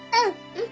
うん。